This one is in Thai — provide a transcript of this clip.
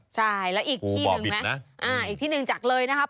ใช่แล้วอีกที่หนึ่งไหมอีกที่หนึ่งจากเลยนะครับ